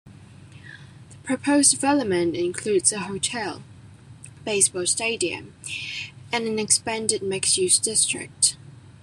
The proposed development includes a hotel, baseball stadium, and an expanded mixed-use district.